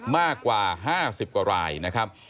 มากกว่า๕๐กว่ารายนะครับ